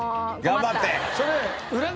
頑張って。